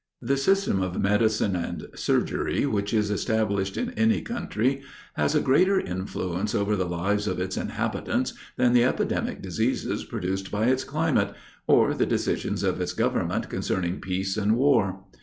The system of medicine and surgery which is established in any country, has a greater influence over the lives of its inhabitants than the epidemic diseases produced by its climate, or the decisions of its government concerning peace and war.